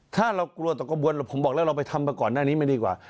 ถ้าเรากลัวต่อกระบวนผมบอกแล้วเราไปทำมาก่อนหน้านี้ไม่ดีกว่า